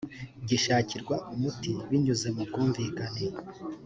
gishakirwa umuti binyuze mu bwumvikane